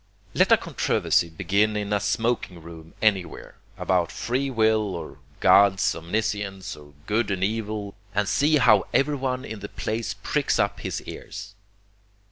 Let a controversy begin in a smoking room anywhere, about free will or God's omniscience, or good and evil, and see how everyone in the place pricks up his ears.